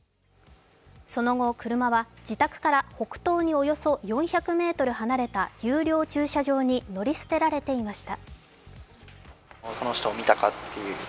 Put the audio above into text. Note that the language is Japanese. その後、車は自宅から北東におよそ４００ｍ離れた有料駐車場に乗り捨てられていました。